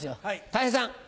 たい平さん。